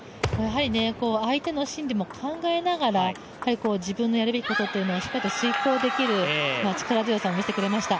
相手の心理も考えながら自分のやるべきことをしっかりと遂行できる力強さがありました。